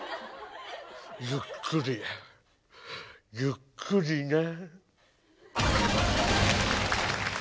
ゆっくりゆっくりね。